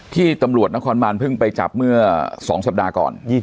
ที่ตำรวจนครบานเพิ่งไปจับเมื่อ๒สัปดาห์ก่อน